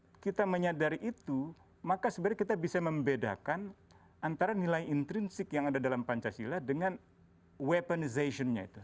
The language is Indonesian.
kalau kita menyadari itu maka sebenarnya kita bisa membedakan antara nilai intrinsik yang ada dalam pancasila dengan weaponization nya itu